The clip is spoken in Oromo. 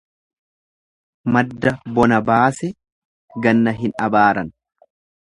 Madda bona baase ganna hin abaaran.